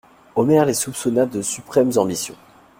Omer les soupçonna de suprêmes ambitions.